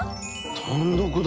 単独だ。